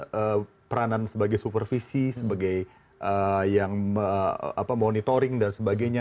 jadi peranan sebagai supervisi sebagai monitoring dan sebagainya